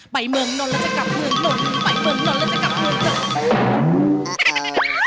ไปเมืองนนท์แล้วจะกลับเมืองนนท์